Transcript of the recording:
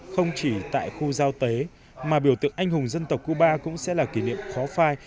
không chỉ tại khu giao tế mà biểu tượng anh hùng dân tộc cuba cũng sẽ là kỷ niệm khó phai